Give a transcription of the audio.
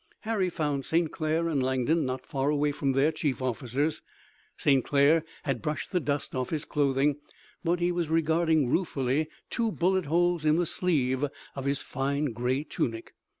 Harry found St. Clair and Langdon not far away from their chief officers. St. Clair had brushed the dust off his clothing, but he was regarding ruefully two bullet holes in the sleeve of his fine gray tunic.